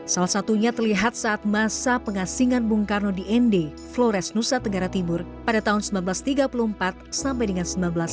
salah satunya terlihat saat masa pengasingan bung karno di nd flores nusa tenggara timur pada tahun seribu sembilan ratus tiga puluh empat sampai dengan seribu sembilan ratus sembilan puluh